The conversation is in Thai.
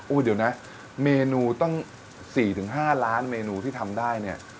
เดี๋ยวนะเมนูตั้ง๔๕ล้านเมนูที่ทำได้เนี่ย